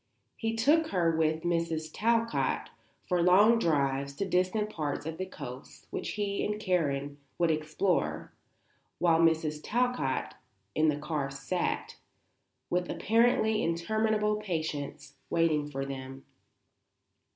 He took her with Mrs. Talcott for long drives to distant parts of the coast which he and Karen would explore, while Mrs. Talcott in the car sat, with apparently interminable patience, waiting for them.